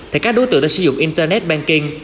thì các đối tượng đã sử dụng internet banking